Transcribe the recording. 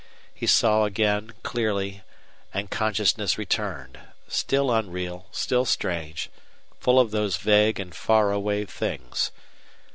He saw again, clearly, and consciousness returned, still unreal, still strange, full of those vague and far away things.